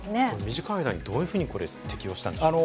短い間にどういうふうに適応したんでしょうか。